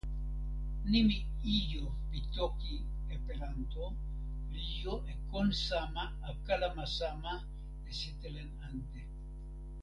nimi "ijo" pi toki Epelanto li jo e kon sama e kalama sama e sitelen ante.